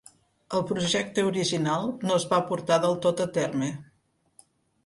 El projecte original no es va portar del tot a terme.